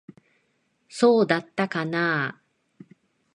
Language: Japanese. そうだったかなあ。